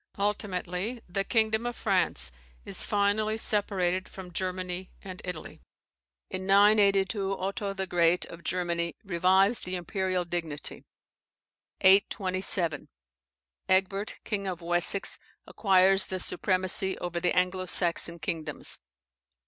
Ultimately, the kingdom of France is finally separated from Germany and Italy. In 982, Otho the Great, of Germany, revives the imperial dignity. 827. Egbert, king of Wessex, acquires the supremacy over the Anglo Saxon kingdoms.